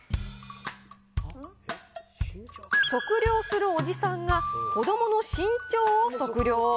測量するおじさんが、子どもの身長を測量。